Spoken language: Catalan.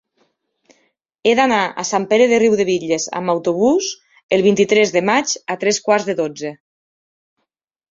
He d'anar a Sant Pere de Riudebitlles amb autobús el vint-i-tres de maig a tres quarts de dotze.